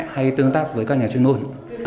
hay tương tác với các nhà chuyên môi